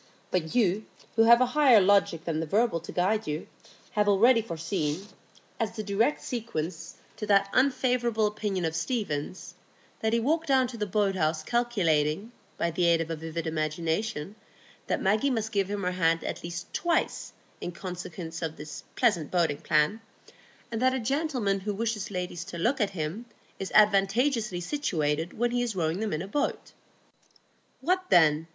But you, who have a higher logic than the verbal to guide you, have already foreseen, as the direct sequence to that unfavourable opinion of Stephen's, that he walked down to the boathouse calculating, by the aid of a vivid imagination, that Maggie must give him her hand at least twice in consequence of this pleasant boating plan, and that a gentleman who wishes ladies to look at him is advantageously situated when he is rowing them in a boat. What then?